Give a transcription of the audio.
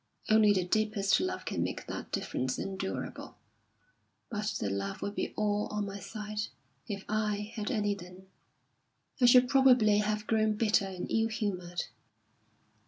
Only the deepest love can make that difference endurable; but the love would be all on my side if I had any then. I should probably have grown bitter and ill humoured.